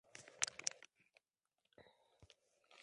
Todas estas modificaciones tenían un único fin: reducir tamaño y peso.